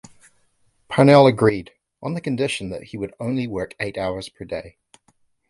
Parnell agreed, on the condition that he would only work eight hours per day.